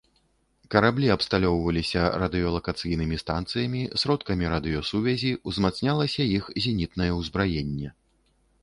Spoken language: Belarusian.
Караблі абсталёўваліся радыёлакацыйнымі станцыямі, сродкамі радыёсувязі, узмацнялася іх зенітнае ўзбраенне.